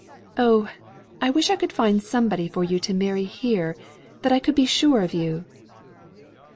Oh! I wish I could find somebody for you to marry here, that I could be sure of you!"